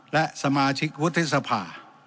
และสมาชิกวุฒิสภา